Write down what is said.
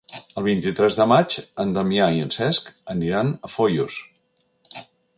El vint-i-tres de maig en Damià i en Cesc aniran a Foios.